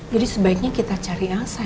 jadi sebaiknya kita cari elsa ya pa